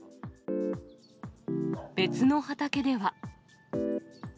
別の畑では。